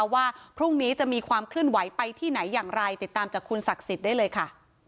ว่าพรุ่งนี้จะมีความเคลื่อนไหวไปที่ไหนอย่างไรติดตามจากคุณศักดิ์สิทธิ์ได้เลยค่ะ